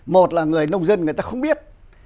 một là người nông dân người ta không biết